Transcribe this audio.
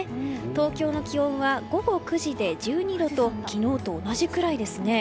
東京の気温は午後９時で１２度と昨日と同じくらいですね。